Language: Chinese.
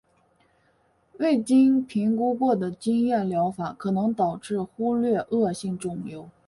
未经评估过的经验疗法可能导致忽略恶性肿瘤。